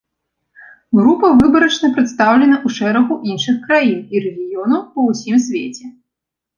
Група выбарачна прадстаўлена ў шэрагу іншых краін і рэгіёнаў па ўсім свеце.